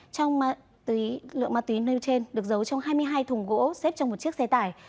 trong lượng ma túy nêu trên được giấu trong hai mươi hai thùng gỗ xếp trong một chiếc xe tải